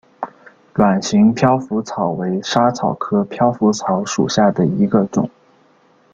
卵形飘拂草为莎草科飘拂草属下的一个种。